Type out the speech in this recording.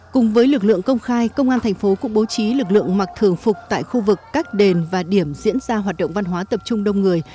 cùng với lực lượng công khai công an thành phố cũng bố trí lực lượng mặc thường phục tại khu vực các đền và điểm diễn ra hoạt động văn hóa tập trung đông người